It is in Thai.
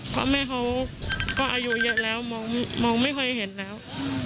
เพราะแม่เขาก็อายุเยอะแล้วมองไม่ค่อยเห็นแล้ว